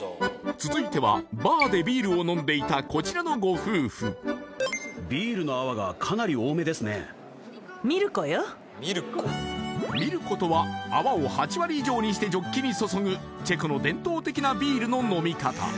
続いてはバーでビールを飲んでいたこちらのご夫婦ミルコとは泡を８割以上にしてジョッキに注ぐチェコの伝統的なビールの飲み方